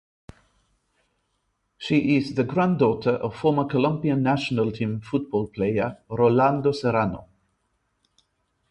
She is the granddaughter of former Colombian national team football player Rolando Serrano.